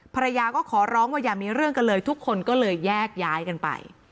ภรรยาก็ขอร้องว่าอย่ามีเรื่องกันเลยทุกคนก็เลยแยกย้ายกันไป